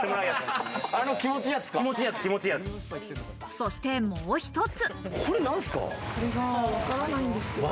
そして、もう一つ。